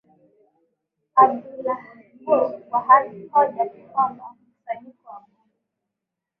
Abdullah Gul kwa hoja kwamba mkusanyiko wa bunge